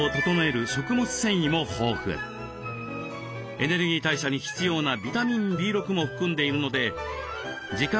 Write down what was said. エネルギー代謝に必要なビタミンＢ６も含んでいるので時間